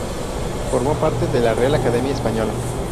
Formó parte de la Real Academia Española.